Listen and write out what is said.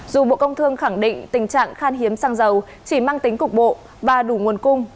dù bộ công thương khẳng định tình trạng khan hiếm xăng dầu chỉ mang tính cục bộ và đủ nguồn cung